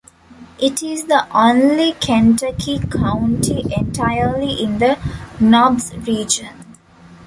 It is the only Kentucky county entirely in the Knobs region.